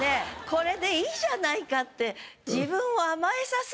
これでいいじゃないかって。